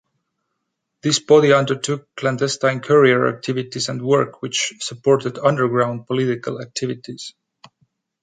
This body undertook clandenstine courier activities and work which supported underground political activities.